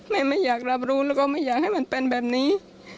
ไม่ไม่อยากรับรู้แล้วก็ไม่อยากให้มันเป็นแบบนี้